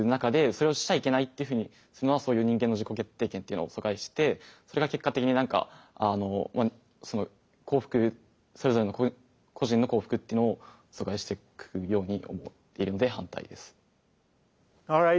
それをしちゃいけないっていうふうにするのはそういう人間の自己決定権っていうのを疎外してそれが結果的になんかそれぞれの個人の幸福っていうのを阻害していくように思っているので反対です。